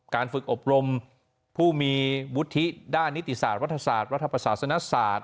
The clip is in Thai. การฝึกอบรมผู้มีวุฒิด้านนิติศาสตร์รัฐศาสตร์วัฒศาสนศาสตร์